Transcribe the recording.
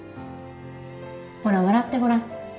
ほら笑ってごらん。